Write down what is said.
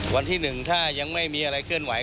วันที่๑ถ้ายังไม่มีอะไรเคลื่อนไห